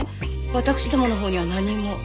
私どものほうには何も。